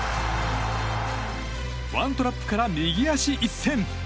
ワントラップから右足一閃！